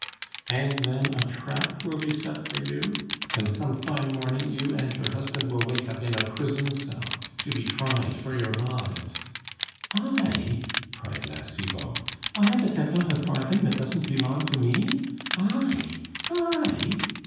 "And then, a trap will be set for you, and some fine morning you and your husband will wake up in a prison cell, to be tried for your lives " "I?" cried La Cibot, "I that have not a farthing that doesn't belong to me?... I!... _I!